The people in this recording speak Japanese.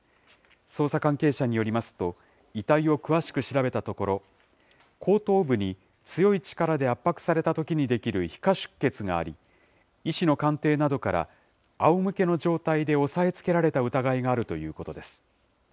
捜査関係者によりますと、遺体を詳しく調べたところ、後頭部に強い力で圧迫されたときに出来る皮下出血があり、医師の鑑定などから、あおむけの状態で押さえつけられた疑いがあるということです。